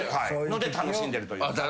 そういうので楽しんでるというか。